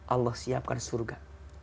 allah siapkan surga